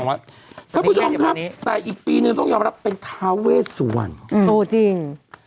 ครับคุณผู้ชมครับแต่อีกปีหนึ่งต้องยอมรับเป็นทาเวสวรรค์โอ้จริง